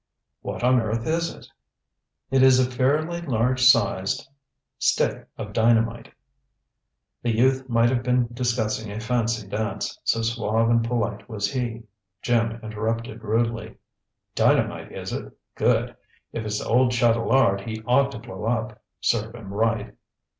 "What on earth is it?" "It is a fairly large sized stick of dynamite." The youth might have been discussing a fancy dance, so suave and polite was he. Jim interrupted rudely. "Dynamite, is it? Good. If it's old Chatelard, he ought to blow up. Serve him right."